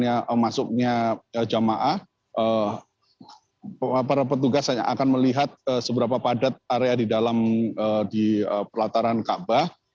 untuk jika masuknya jamaah para petugas akan melihat seberapa padat area di dalam pelataran kaabah